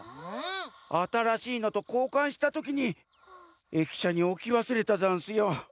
あたらしいのとこうかんしたときに駅しゃにおきわすれたざんすよ。